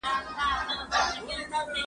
د نجونو زده کړه د ګډو پروسو درناوی زياتوي.